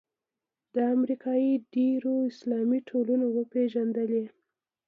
د امریکې ډېرو اسلامي ټولنو وپېژندلې.